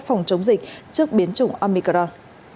phòng chống dịch trước biến chủng omicron